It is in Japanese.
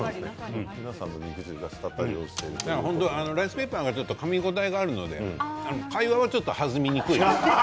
ライスペーパーがちょっとかみ応えがあるので会話はちょっと弾みにくいね。